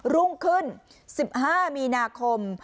รุ่งขึ้น๑๕มีนาคม